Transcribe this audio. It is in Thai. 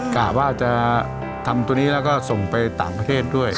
กะว่าจะทำตัวนี้แล้วก็ส่งไปต่างประเทศด้วย